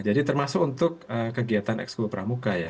jadi termasuk untuk kegiatan ekskul kepramukaan ya